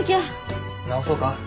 直そうか？